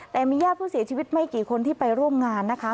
แต่มีญาติผู้เสียชีวิตไม่กี่คนที่ไปร่วมงานนะคะ